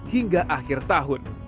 hingga akhir tahun